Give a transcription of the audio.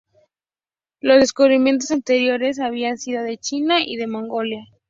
Los descubrimientos anteriores habían sido de China y de Mongolia.